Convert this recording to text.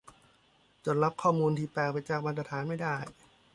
จนรับข้อมูลที่แปลกไปจากมาตรฐานไม่ได้